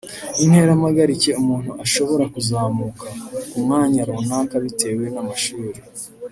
Intera mpagarike umuntu ashobora kuzamuka ku mwanya runaka bitewe n’amashuri